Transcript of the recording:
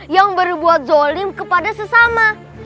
yang berbuat zolim kepada sesama